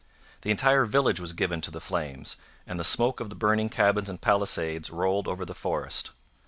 The entire village was given to the flames, and the smoke of the burning cabins and palisades rolled over the forest.